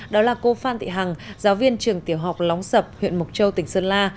đó là cô phan thị hằng giáo viên trường tiểu học lóng sập huyện mộc châu tỉnh sơn la